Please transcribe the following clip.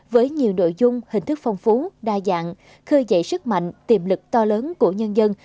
với nhiều nội dung hình thức phong phú đa dạng khơi dậy sức mạnh tiềm lực to lớn của nhân dân